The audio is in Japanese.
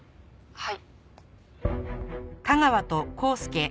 「はい」